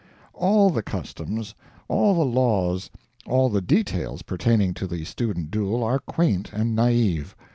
All the customs, all the laws, all the details, pertaining to the student duel are quaint and naive.